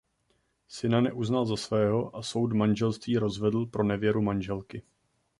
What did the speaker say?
Syna neuznal za svého a soud manželství rozvedl pro nevěru manželky.